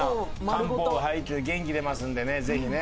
漢方入って元気出ますのでねぜひね。